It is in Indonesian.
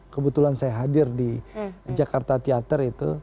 kebetulan saya hadir di jakarta teater itu